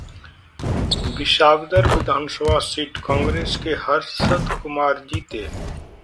विसावदर विधानसभा सीट: कांग्रेस के हर्षदकुमार जीते